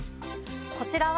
こちらは。